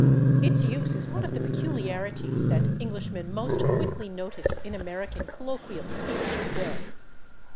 Its use is one of the peculiarities that Englishmen most quickly notice in American colloquial speech today.